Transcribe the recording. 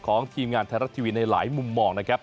ทีมงานไทยรัฐทีวีในหลายมุมมองนะครับ